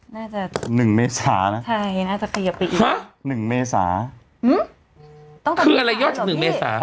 น่าจะ๑เมษานะใช่น่าจะขยับไปอีกนะหนึ่งเมษาต้องคืออะไรยอดจากหนึ่งเมษา